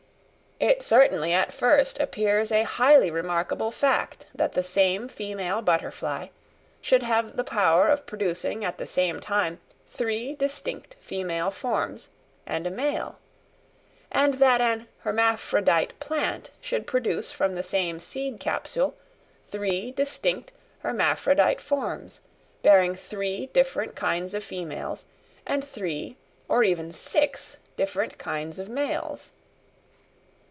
It certainly at first appears a highly remarkable fact that the same female butterfly should have the power of producing at the same time three distinct female forms and a male; and that an hermaphrodite plant should produce from the same seed capsule three distinct hermaphrodite forms, bearing three different kinds of females and three or even six different kinds of males.